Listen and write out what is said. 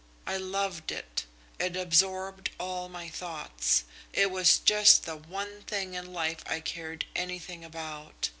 I loved it. It absorbed all my thoughts. It was just the one thing in life I cared anything about.